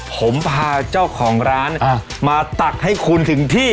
ผมพาเจ้าของร้านมาตักให้คุณถึงที่